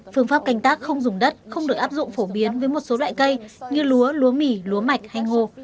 phương pháp canh tác không dùng đất không được áp dụng phổ biến với một số loại cây như lúa lúa mỳ lúa mạch hay ngô